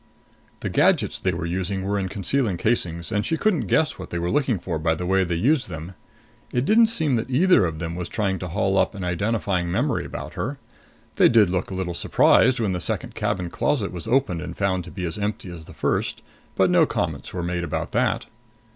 The gadgets they were using were in concealing casings, and she couldn't guess what they were looking for by the way they used them. It didn't seem that either of them was trying to haul up an identifying memory about her. They did look a little surprised when the second cabin closet was opened and found to be as empty as the first; but no comments were made about that.